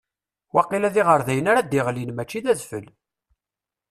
Waqila d iɣerdayen ara d-iɣlin, mačči d adfel.